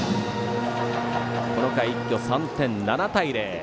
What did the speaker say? この回一挙３点、７対０。